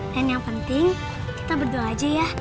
dan yang penting kita berdoa aja ya